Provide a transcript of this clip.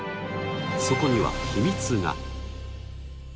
そこには秘密が！